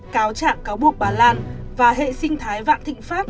cáo trạng cáo buộc bà lan và hệ sinh thái vạn thịnh pháp